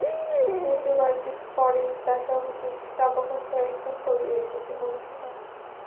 মৃত্যুর কয়েক দিন পরই তাঁর সর্বশেষ কাব্যগ্রন্থ একজন কবি একাকী প্রকাশিত হয়।